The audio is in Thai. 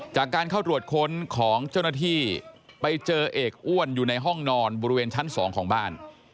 จากการเข้าตรวจค้นของเจ้าหน้าที่ไปเจอเอกอ้วนอยู่ในห้องนอนบริเวณชั้น๒ของบ้าน